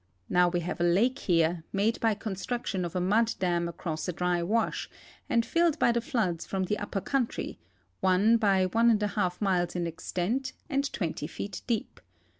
Now we have a lake here, made by construction of a mud dam across a dry wash, and filled l)y the floods from the upper country, 1 by H miles in extent and 20 feet deep.